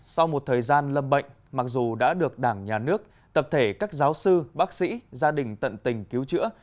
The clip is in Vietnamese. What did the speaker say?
sau một thời gian lâm bệnh mặc dù đã được đảng nhà nước tập thể các giáo sư bác sĩ gia đình tận tình cứu chữa